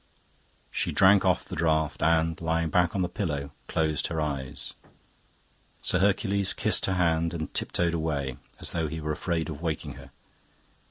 She drank off the draught and, lying back on the pillow, closed her eyes. Sir Hercules kissed her hand and tiptoed away, as though he were afraid of waking her.